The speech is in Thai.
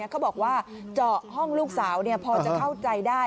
เขาบอกว่าเจาะห้องลูกสาวพอจะเข้าใจได้